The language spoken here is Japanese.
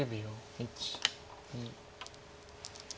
１２。